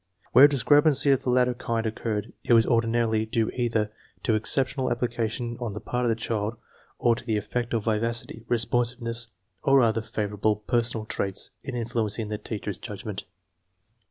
Where discrepancy of the latter kind occurred it was ordinarily due either to ex MENTAL AGE STANDARD FOR GRADING 99 ceptional application on the part of the child or to the effect of vivacity, responsiveness, or other favorable personal traits in influencing the teacher's judgment.